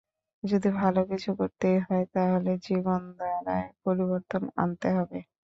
যদি ভালো কিছু করতেই হয়, তাহলে জীবনধারায় পরিবর্তন আনতে হবে।